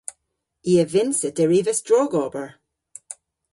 I a vynnsa derivas drogober.